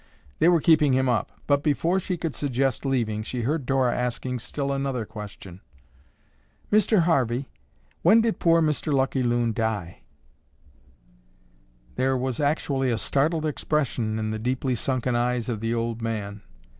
They were keeping him up, but before she could suggest leaving, she heard Dora asking still another question. "Mr. Harvey, when did poor Mr. Lucky Loon die?" There was actually a startled expression in the deeply sunken eyes of the old man.